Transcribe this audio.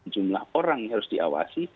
jumlah orang yang harus diawasi